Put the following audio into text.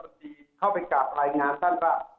ผมก็ได้กลับเห็นท่านนายกรัฐบัตรีเข้าไปกลับรายงานท่านว่า